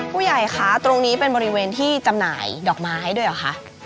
ผู้ใหญ่คะตรงนี้เป็นบริเวณที่จำหน่ายดอกไม้ด้วยเหรอคะ